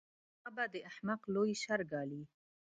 هغه به د احمق لوی شر ګالي.